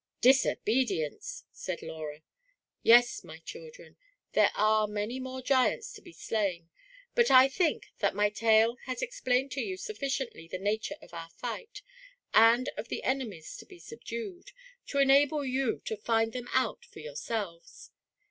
"Disobedience," added Laura. " Yes, my children, there are many more giants to be slain; but I think that my tale has explained to you sufficiently the nature of our fight, and of the enemies to be subdued, to enable you to find them out for your selves.